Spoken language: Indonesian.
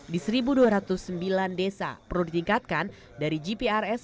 di satu dua ratus sembilan desa perlu ditingkatkan dari gprs